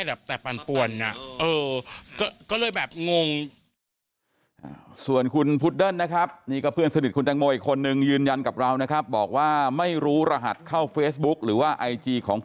อันนี้ก็ต้องขอขอบคุณ